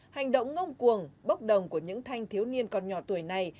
hành động ngông cuồng bốc đồng của những thanh thiếu niên còn nhỏ tuổi này